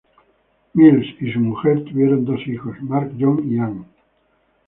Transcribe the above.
Mills y su mujer tuvieron dos hijos, Mark John y Ann.